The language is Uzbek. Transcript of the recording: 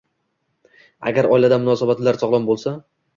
Agar oilada munosabatlar sog‘lom bo‘lsa